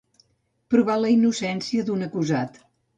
Provar la innocència d'un acusat.